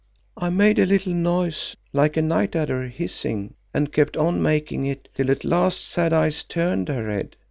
"I made a little noise, like a night adder hissing, and kept on making it, till at last Sad Eyes turned her head.